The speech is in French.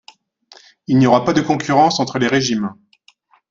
Il n’y aura pas de concurrence entre les régimes.